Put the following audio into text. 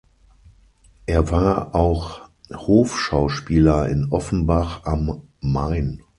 Er war auch Hofschauspieler in Offenbach am Main.